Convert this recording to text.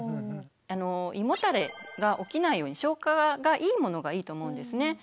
胃もたれが起きないように消化がいいものがいいと思うんですね。